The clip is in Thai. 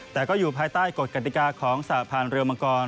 แต่ก็อยู่ภายใต้กฎกติกาของสะพานเรือมังกร